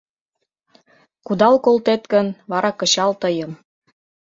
— Кудал колтет гын, вара кычал тыйым...